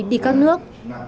đi các nước